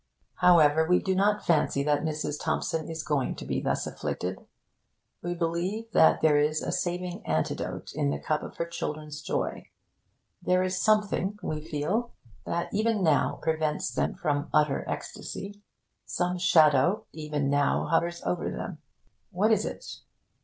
However, we do not fancy that Mrs. Thompson is going to be thus afflicted. We believe that there is a saving antidote in the cup of her children's joy. There is something, we feel, that even now prevents them from utter ecstasy. Some shadow, even now, hovers over them. What is it?